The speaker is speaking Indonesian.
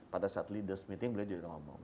pada saat leaders meeting beliau juga ngomong